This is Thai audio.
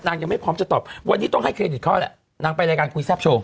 ยังไม่พร้อมจะตอบวันนี้ต้องให้เครดิตเขาแหละนางไปรายการคุยแซ่บโชว